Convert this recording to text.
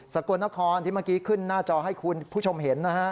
กลนครที่เมื่อกี้ขึ้นหน้าจอให้คุณผู้ชมเห็นนะฮะ